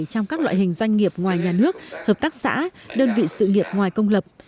trong các loại hình doanh nghiệp ngoài nhà nước hợp tác xã đơn vị sự nghiệp ngoài công lập